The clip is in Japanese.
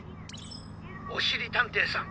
「おしりたんていさん